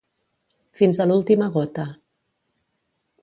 Fins a l'última gota.